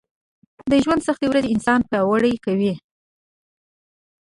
د ژونــد سختې ورځې انـسان پـیاوړی کوي